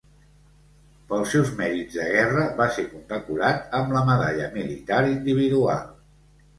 Pels seus mèrits de guerra va ser condecorat amb la Medalla Militar Individual.